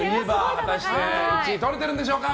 果たして１位とれてるんでしょうか。